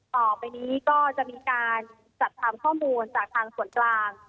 ต่อไปนี้ก็จะมีการจัดทำข้อมูลจากทางส่วนกลาง